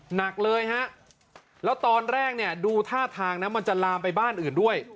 หนักเลยฮะแล้วตอนแรกเนี่ยดูท่าทางนะมันจะลามไปบ้านอื่นด้วย